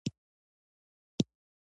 رسوب د افغانستان د شنو سیمو ښکلا ده.